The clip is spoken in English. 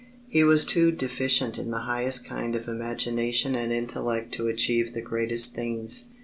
He was too deficient in the highest kind of imagination and intellect to achieve the greatest things.